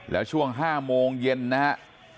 แล้วช่วงห้าโมงเย็นนะฮะ